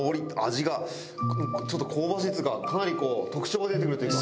味がちょっと香ばしいっつうかかなり特徴が出てくるというか。